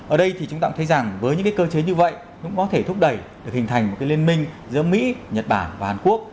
ở đây thì chúng ta cũng thấy rằng với những cơ chế như vậy cũng có thể thúc đẩy được hình thành một liên minh giữa mỹ nhật bản và hàn quốc